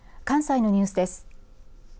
関西のニュースです。